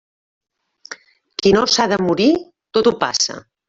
Qui no s'ha de morir, tot ho passa.